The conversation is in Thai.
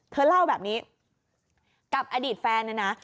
เธอเล่าแบบนี้กับอดีตแฟนเนี่ยนะ